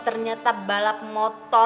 ternyata balap motor